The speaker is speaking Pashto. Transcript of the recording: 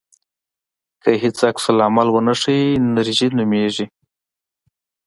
که هیڅ عکس العمل ونه ښیې انېرژي نومېږي.